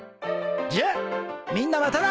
じゃあみんなまたな！